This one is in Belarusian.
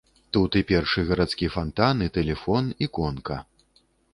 Тут і першы гарадскі фантан, і тэлефон, і конка.